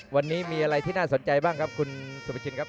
วันนี้มีอะไรที่น่าสนใจบ้างครับคุณสุประชินครับ